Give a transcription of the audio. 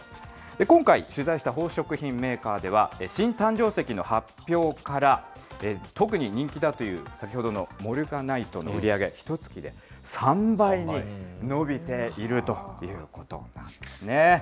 今回取材した宝飾品メーカーでは、新誕生石の発表から、特に人気だという先ほどのモルガナイトの売り上げ、ひとつきで３倍に伸びているということなんですね。